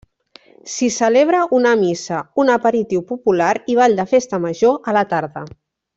S'hi celebra una missa, un aperitiu popular i ball de Festa Major a la tarda.